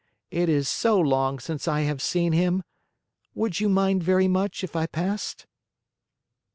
It is so long since I have seen him! Would you mind very much if I passed?"